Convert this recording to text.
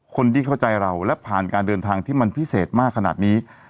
คนที่เข้าใจเราและผ่านการเดินทางที่มันพิเศษมากขนาดนี้